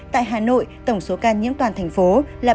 tại hà nội tổng số ca nhiễm toàn thành phố là ba mươi hai bốn mươi bốn ca